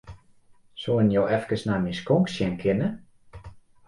Soenen jo efkes nei myn skonk sjen kinne?